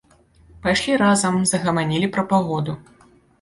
Пайшлі разам, загаманілі пра пагоду.